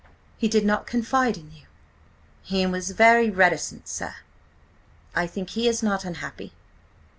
He did not confide in you?" "He was very reticent, sir. I think he is not unhappy."